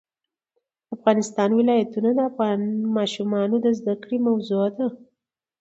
د افغانستان ولايتونه د افغان ماشومانو د زده کړې موضوع ده.